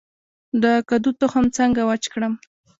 د کدو تخم څنګه وچ کړم؟